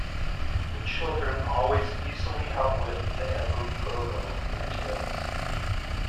The children always easily outwit the Ebu Gogo in the tales.